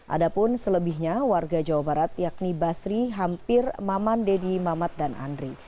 ada pun selebihnya warga jawa barat yakni basri hampir maman deddy mamat dan andri